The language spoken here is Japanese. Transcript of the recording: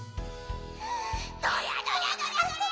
どりゃどりゃどりゃどりゃ。